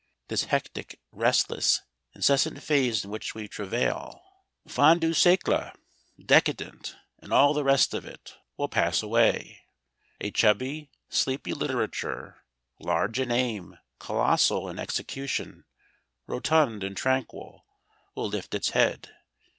This hectic, restless, incessant phase in which we travail fin de siècle, "decadent," and all the rest of it will pass away. A chubby, sleepy literature, large in aim, colossal in execution, rotund and tranquil will lift its head.